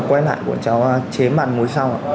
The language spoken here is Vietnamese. quen lại cháu chế mặt mũi sau